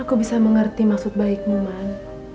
aku bisa mengerti maksud baikmu man